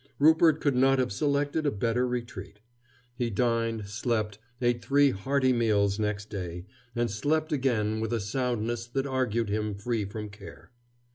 Rupert could not have selected a better retreat. He dined, slept, ate three hearty meals next day, and slept again with a soundness that argued him free from care.